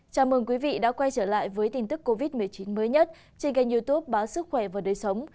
chào mừng quý vị đã quay trở lại với tin tức covid một mươi chín mới nhất trên kênh youtube báo sức khỏe và đời sống